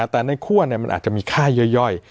แต่ในคั่วมันอาจจะมีค่าย่อย